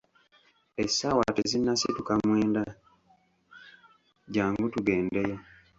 Essaawa tezinnasituka mwenda, jangu tugendeyo.